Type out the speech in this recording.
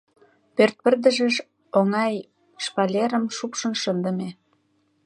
Пӧрт пырдыжыш оҥай шпалерым шупшын шындыме.